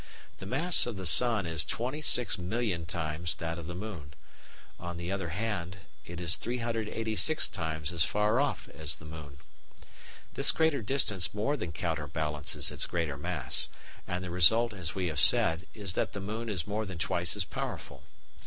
The mass of the sun is 26,000,000 times that of the moon; on the other hand it is 386 times as far off as the moon. This greater distance more than counterbalances its greater mass, and the result, as we have said, is that the moon is more than twice as powerful.